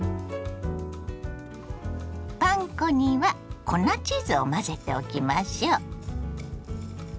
パン粉には粉チーズを混ぜておきましょ。